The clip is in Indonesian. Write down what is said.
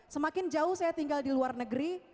semakin jauh saya tinggal di luar negeri